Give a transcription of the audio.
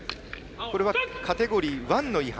これは、カテゴリー１の違反。